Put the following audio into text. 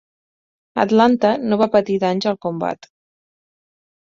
"Atlanta" no va patir danys al combat.